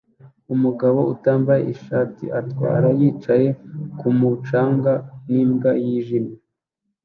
Umugabo utambaye ishati atwara yicaye kumu canga n'imbwa yijimye